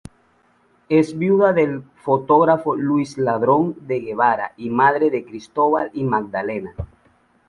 Es viuda del fotógrafo Luis Ladrón de Guevara y madre de Cristóbal y Magdalena.